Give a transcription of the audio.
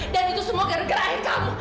dan itu semua gara gara kamu